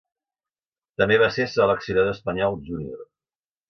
També va ser seleccionadors espanyol júnior.